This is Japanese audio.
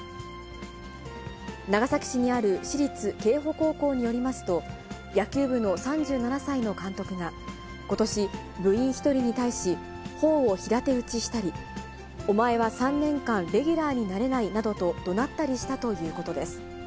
長崎市にあるしりつ瓊浦高校によりますと、野球部の３７歳の監督が、ことし、部員１人に対し、頬を平手打ちしたり、お前は３年間レギュラーになれないなどと、どなったりしたということです。